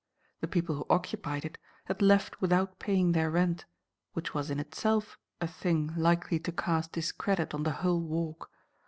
The people who occupied it had left without paying their rent, which was in itself a thing likely to cast discredit on the whole Walk.